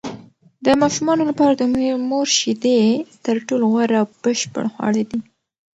د ماشومانو لپاره د مور شیدې تر ټولو غوره او بشپړ خواړه دي.